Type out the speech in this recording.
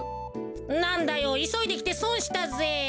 なんだよいそいできてそんしたぜ。